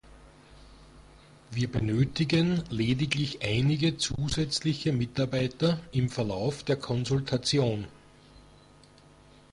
Wir benötigen lediglich einige zusätzliche Mitarbeiter im Verlauf der Konsultation.